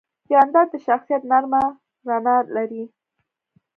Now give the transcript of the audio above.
جانداد د شخصیت نرمه رڼا لري.